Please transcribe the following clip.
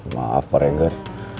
maaf pak regan